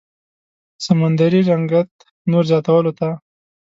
سمندري رنګت نور زياتولو ته